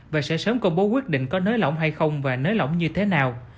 và sẽ sớm công bố quyết định có nới lỏng hay không và nới lỏng như thế nào